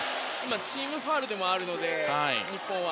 チームファウルでもあるので、日本は。